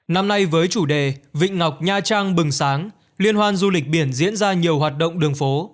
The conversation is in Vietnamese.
năm nay với chủ đề vịnh ngọc nha trang bừng sáng liên hoan du lịch biển diễn ra nhiều hoạt động đường phố